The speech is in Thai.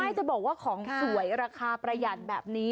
ใช่จะบอกว่าของสวยราคาประหยัดแบบนี้